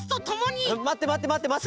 まってまってまってまって！